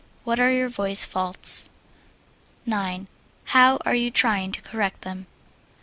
What are your voice faults? 9. How are you trying to correct them?